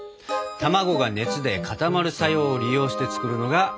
卵が熱で固まる作用を利用して作るのがプリンだ。